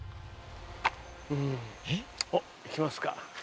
おっいきますか。